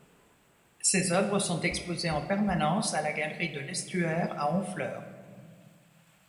Ses œuvres sont exposées en permanence à la galerie de l'Estuaire à Honfleur.